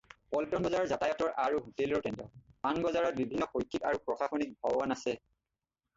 পল্টন বজাৰ যাতায়ত আৰু হোটেলৰ কেন্দ্ৰ, পাণ বজাৰত বিভিন্ন শৈক্ষিক আৰু প্ৰশাসনিক ভৱন আছে।